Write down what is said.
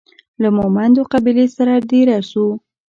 له مومندو قبیلې سره دېره سو.